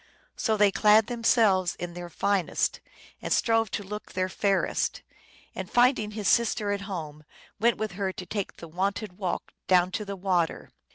So they clad themselves in their finest and strove to look their fairest ; and finding his sister at home went with her to take the wonted walk down to the water.